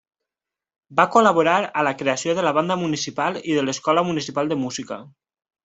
Va col·laborar a la creació de la Banda Municipal i de l'Escola Municipal de Música.